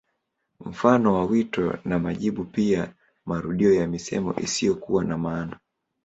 Mfano wa wito na majibu pia marudio ya misemo isiyokuwa na maana